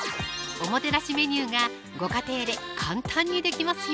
おもてなしメニューがご家庭で簡単に出来ますよ